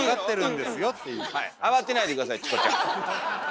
慌てないで下さいチコちゃん。